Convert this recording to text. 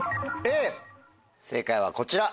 正解はこちら。